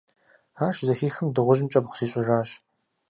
Ар щызэхихым, дыгъужьым кӏэбгъу зищӏыжащ.